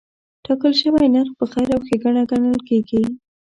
ټاکل شوی نرخ په خیر او ګټه ګڼل کېږي.